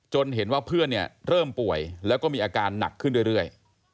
เห็นว่าเพื่อนเนี่ยเริ่มป่วยแล้วก็มีอาการหนักขึ้นเรื่อย